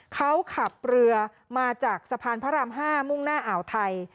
เขาขับเรือมาจากสะพานพระราม๕มุ่งหน้าอ่าวไทย